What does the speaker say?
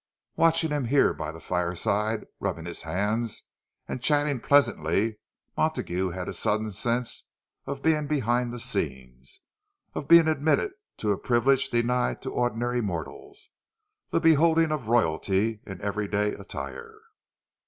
Watching him here by the fireside, rubbing his hands and chatting pleasantly, Montague had a sudden sense of being behind the scenes, of being admitted to a privilege denied to ordinary mortals—the beholding of royalty in everyday attire!